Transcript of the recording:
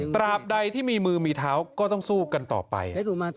ตราบใดที่มีมือมีเท้าก็ต้องสู้กันต่อไป